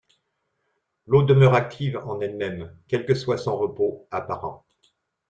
L'eau demeure active en elle-même, quel que soit son repos apparent.